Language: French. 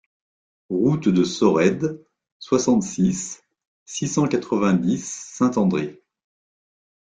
Route de Sorède, soixante-six, six cent quatre-vingt-dix Saint-André